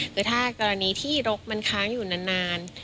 คือถ้ากรณีที่รกมันค้างอยู่นาน